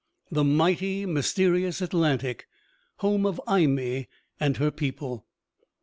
The mighty, mysterious Atlantic home of Imee and her people!